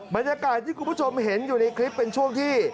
บรรยากาศที่คุณผู้ชมเห็นอยู่ในคลิปเป็นช่วงที่